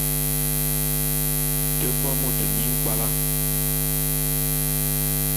Te bo môt nyi nkpwala.